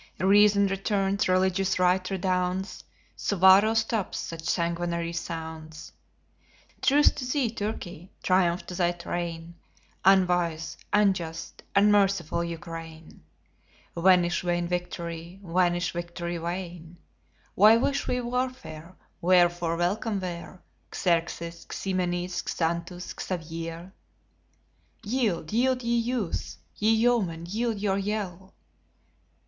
Reason returns, religious right redounds, Suwarrow stops such sanguinary sounds. Truce to thee, Turkey! Triumph to thy train, Unwise, unjust, unmerciful Ukraine! Vanish vain victory! vanish, victory vain! Why wish we warfare? Wherefore welcome were Xerxes, Ximenes, Xanthus, Xavier? Yield, yield, ye youths! ye yeomen, yield your yell!